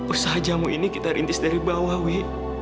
usaha jamu ini kita rintis dari bawah wi